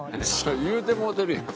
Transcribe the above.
言うてもうてるやん。